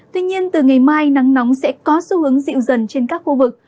tuy nhiên từ ngày mai nắng nóng sẽ có xu hướng dịu dần trên các khu vực